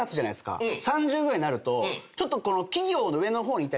３０ぐらいになるとちょっと。